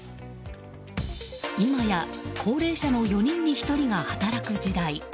今や高齢者の４人に１人が働く時代。